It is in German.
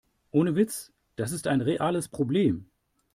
Ohne Witz, das ist ein reales Problem.